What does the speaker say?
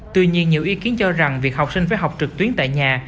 tuy nhiên nhiều ý kiến cho rằng việc học sinh phải học trực tuyến tại nhà